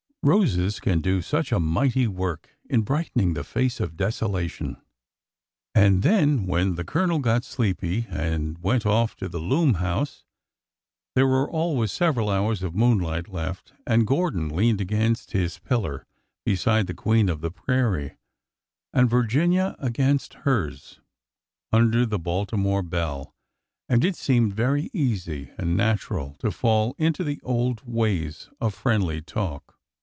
Roses can do such a mighty work in brightening the face of desolation. And then, when the Colonel got sleepy and went off to the loom house, there were always several hours of moon light left, and Gordon leaned against his pillar beside the " queen of the prairie," and Virginia against hers under 26 401 402 ORDER NO. 11 the '' Baltimore belle/' and it seemed very easy and natu ral to fall into the old ways of friendly talk.